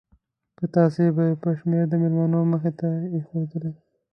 پتاسې به یې په شمار د مېلمنو مخې ته ایښودلې.